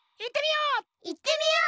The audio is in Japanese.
いってみよう！